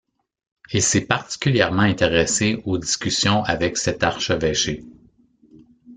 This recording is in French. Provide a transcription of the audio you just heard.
Il s'est particulièrement intéressé aux discussions avec cet archevêché.